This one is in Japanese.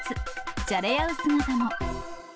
じゃれ合う姿も。